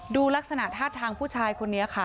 ดูลักษณะท่าทางผู้ชายคนนี้ค่ะ